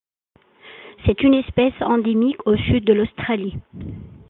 C'est une espèce endémique au sud de l'Australie.